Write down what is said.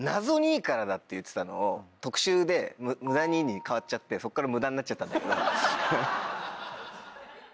っていってたのを特集で「ムダに」に変わっちゃってそこから「ムダ」になっちゃったんだけど。